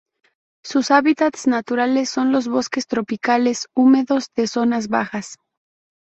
Sus hábitats naturales son los bosques tropicales húmedos de zonas bajas.